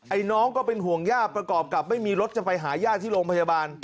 น้องก็เป็นห่วงย่าประกอบกับไม่มีรถจะไปหาย่าที่โรงพยาบาล